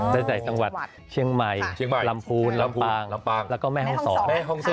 ในแต่จังหวัดเชียงใหม่ลำพูนลำปางแล้วก็แม่ห้องสอน